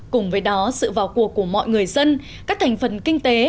cùng với đó sự vào cuộc của mọi người dân các thành phần kinh tế